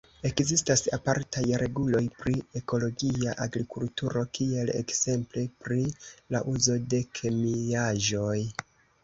Ekzistas apartaj reguloj pri ekologia agrikulturo, kiel ekzemple pri la uzo de kemiaĵoj.